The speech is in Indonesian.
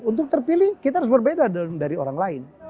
untuk terpilih kita harus berbeda dari orang lain